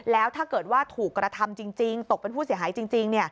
แล้วถ้าเกิดว่าถูกกระทำจริงตกเป็นผู้เสียหายจริง